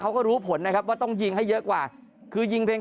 เขาก็รู้ผลนะครับว่าต้องยิงให้เยอะกว่าคือยิงเพลง